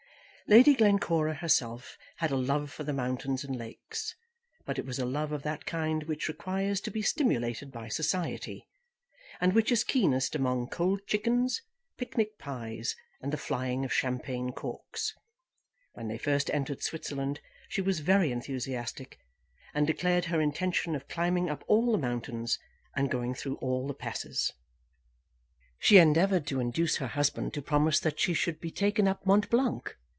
Lady Glencora herself had a love for the mountains and lakes, but it was a love of that kind which requires to be stimulated by society, and which is keenest among cold chickens, picnic pies, and the flying of champagne corks. When they first entered Switzerland she was very enthusiastic, and declared her intention of climbing up all the mountains, and going through all the passes. She endeavoured to induce her husband to promise that she should be taken up Mont Blanc.